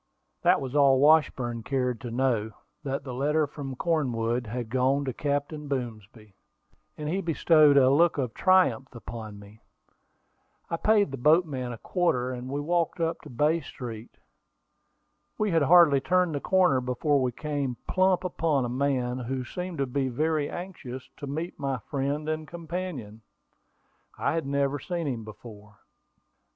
That was all that Washburn cared to know that the letter from Cornwood had gone to Captain Boomsby; and he bestowed a look of triumph upon me. I paid the boatman a quarter, and we walked up to Bay Street. We had hardly turned the corner before we came plump upon a man who seemed to be very anxious to meet my friend and companion. I had never seen him before.